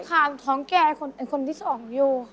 ถ้างน้องแกควรที่สองอยู่